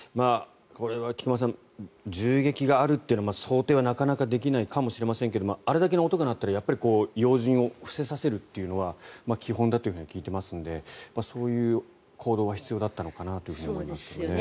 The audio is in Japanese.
これは菊間さん銃撃があるっていうのは想定は、なかなかできないかもしれませんがあれだけの音が鳴ったら要人を伏せさせるというのは基本だと聞いていますのでそういう行動は必要だったのかなと思いますね。